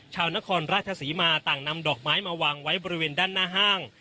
ชาวนครราชศรีมาต่างนำดอกไม้มาวางไว้บริเวณด้านหน้าห้าง